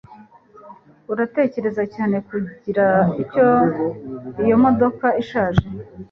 uratekereza cyane kugura iyo modoka ishaje